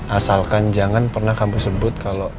asalkan jangan pernah kamu sebut kalau